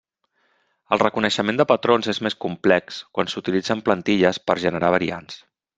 El reconeixement de patrons és més complex quan s'utilitzen plantilles per generar variants.